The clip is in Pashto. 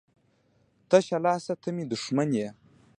تشه لاسه ته مي دښمن يي.